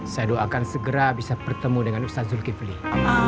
saya doakan segera bisa bertemu dengan ustadz jul kipling